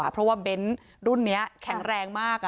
เพราะว่าเบ้นรุ่นนี้แข็งแรงมาก